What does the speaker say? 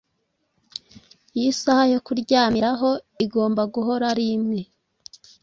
Iyi saha yo kuryamiraho igomba guhora ari imwe